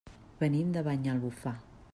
Venim de Banyalbufar.